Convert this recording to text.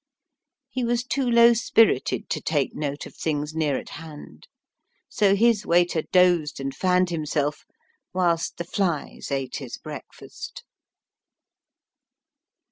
He was too low spirited to take note of things near at hand. So his waiter dozed and fanned him self, whilst the flies ate his breakfast.